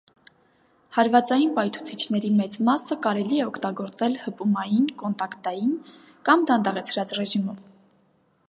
Հարվածային պայթուցիչների մեծ մասը կարելի է օգտագործել հպումային(կոնտակտային) կամ դանդաղեցրած ռեժիմով։